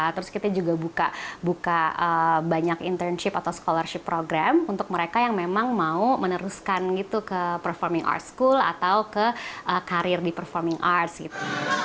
terus kita juga buka banyak internship atau scholarship program untuk mereka yang memang mau meneruskan gitu ke performing art school atau ke karir di performing arts gitu